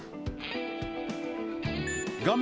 画面